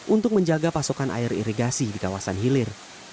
untuk menjaga pasokan air irigasi di kawasan hilir